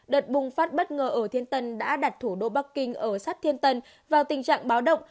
đợt bùng phát bất ngờ ở thiên tân đã đặt thủ đô bắc kinh ở sát thiên tân vào tình trạng báo động